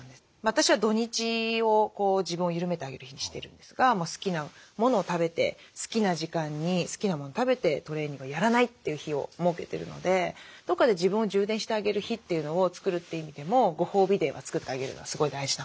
私は土日を自分を緩めてあげる日にしてるんですが好きなものを食べて好きな時間に好きなもの食べてトレーニングをやらないという日を設けてるのでどこかで自分を充電してあげる日というのを作るって意味でもご褒美デーは作ってあげるのはすごい大事なことです。